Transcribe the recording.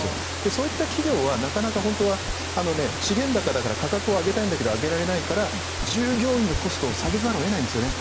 そういった企業はなかなか、資源高だから価格を上げたいけど上げられないから従業員のコストを下げざるを得ないんですね。